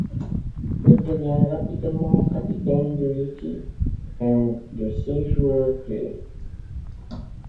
Il devient rapidement capitaine de l'équipe et un de ses joueurs-clés.